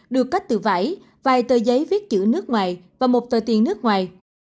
được cắt từ vải vài tờ giấy viết chữ nước ngoài và một tờ tiền nước ngoài